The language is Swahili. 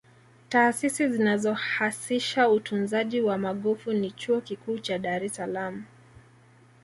taasisi zinazohasisha utunzaji wa magofu ni chuo Kikuu cha dar es salaam